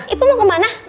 ibu mau ke mana